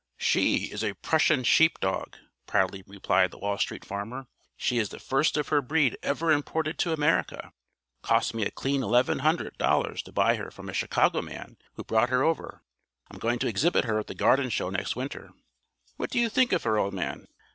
"She is a Prussian sheep dog," proudly replied the Wall Street Farmer. "She is the first of her breed ever imported to America. Cost me a clean $1100 to buy her from a Chicago man who brought her over. I'm going to exhibit her at the Garden Show next winter. What do you think of her, old man?"